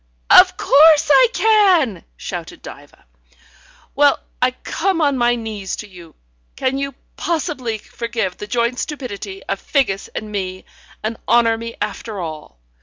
"Of course I can!" shouted Diva. "Well, I come on my knees to you. Can you possibly forgive the joint stupidity of Figgis and me, and honour me after all?